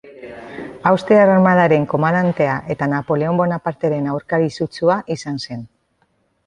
Austriar armadaren komandantea eta Napoleon Bonaparteren aurkari sutsua izan zen.